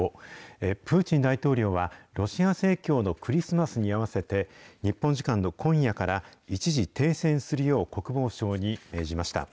プーチン大統領は、ロシア正教のクリスマスに合わせて、日本時間の今夜から一時停戦するよう、国防相に命じました。